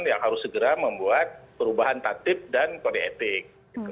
yang harus segera membuat perubahan tatib dan kode etik